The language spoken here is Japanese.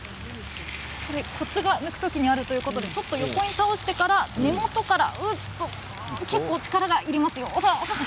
抜くときにコツがあるということで、ちょっと横に倒してから根元から結構力がいりますよ。